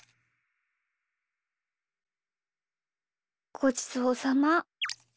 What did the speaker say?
ごちそうさま。